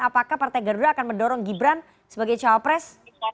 apakah partai garuda akan mendorong gibran sebagai cawapres